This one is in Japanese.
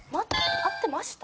会ってました？